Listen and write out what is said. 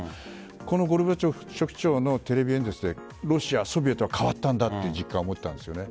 このゴルバチョフ書記長のテレビ演説でロシア、ソビエトは変わったという実感を思ったんです。